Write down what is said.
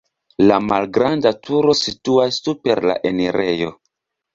La malgranda turo situas super la enirejo.